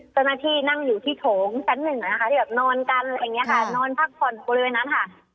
เจ้าหน้าที่นั่งอยู่ที่โถงแป๊บหนึ่งนะคะที่นอนกันนอนพักผ่อนบริเวณนั้นค่ะ